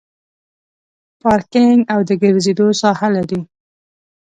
پارکینګ او د ګرځېدو ساحه لري.